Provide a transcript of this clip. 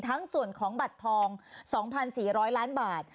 ทั้งส่วนของบัตรทอง๒๔๐๐ล้านบาท